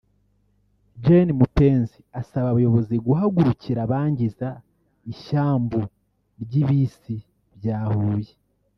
Gen Mupenzi asaba abayobozi guhagurukira abangiza Ishyambu ry’Ibisi bya Huye